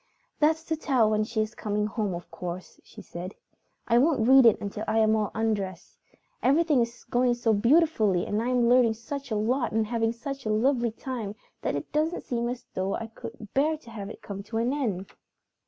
"That's to tell when she is coming home, of course," she said. "I won't read it until I am all undressed. Everything is going so beautifully and I am learning such a lot and having such a lovely time that it doesn't seem as though I could bear to have it come to an end."